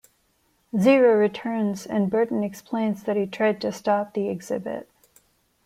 Zero returns and Burton explains that he tried to stop the exhibit.